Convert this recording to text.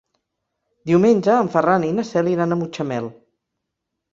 Diumenge en Ferran i na Cel iran a Mutxamel.